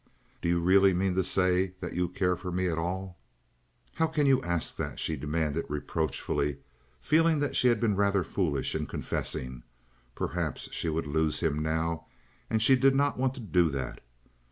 Do you really mean to say that you care for me at all?" "How can you ask that?" she demanded, reproachfully, feeling that she had been rather foolish in confessing. Perhaps she would lose him now, and she did not want to do that.